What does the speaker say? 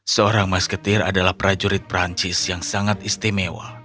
seorang masketir adalah prajurit perancis yang sangat istimewa